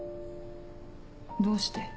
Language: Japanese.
どうして？